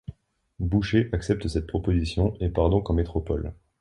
Boucher accepte cette proposition et part donc en métropole.